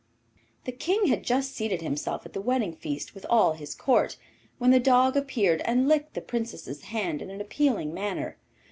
The King had just seated himself at the wedding feast with all his Court, when the dog appeared and licked the Princess's hand in an appealing manner.